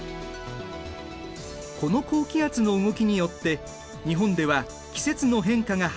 この高気圧の動きによって日本では季節の変化がはっきりしているんだ。